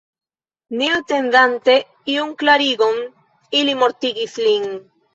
Ne atendante iun klarigon ili mortigis lin.